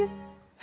え？